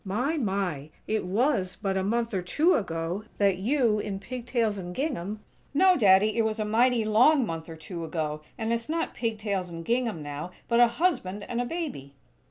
My, my! It was but a month or two ago that you, in pig tails and gingham " "No, Daddy! It was a mighty long month or two ago; and it's not pig tails and gingham, now, but a husband and a baby."